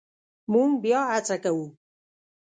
مونږ بیا هڅه کوو